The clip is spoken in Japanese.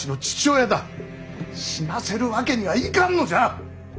死なせるわけにはいかんのじゃ！